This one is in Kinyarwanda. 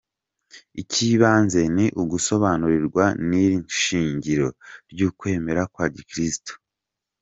Icy’ibanze ni ugusobanukirwa n’iri shingiro ry’ukwemera kwa gikristu.